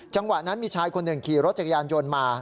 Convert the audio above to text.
จังหวะนั้นมีชายคนหนึ่งขี่รถจักรยานยนต์มา